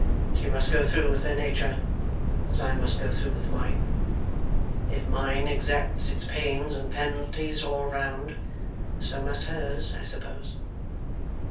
She must go through with her nature, as I must go through with mine. If mine exacts its pains and penalties all round, so must hers, I suppose.